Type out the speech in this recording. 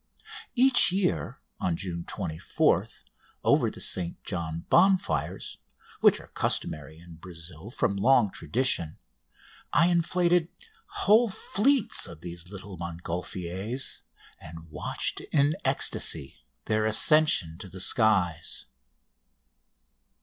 Each year, on June 24th, over the St John bonfires, which are customary in Brazil from long tradition, I inflated whole fleets of these little Montgolfiers, and watched in ecstasy their ascension to the skies.